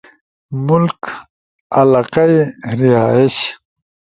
ملک/ علاقہ ئی رہائش